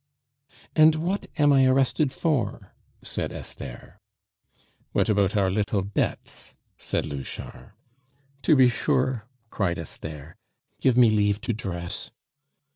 "And what am I arrested for?" said Esther. "What about our little debts?" said Louchard. "To be sure," cried Esther; "give me leave to dress."